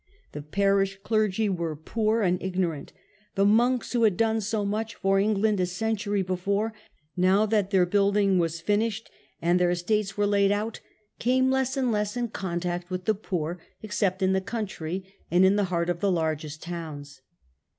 The parish clergy were poor and ignorant; the monks, who had done so much for England a century before, now that their building was finished and their estates were laid 78 THE COMING OF THE FRIARS. out, came less and less in contact with the poor, except in the country and in the heart of the largest towns.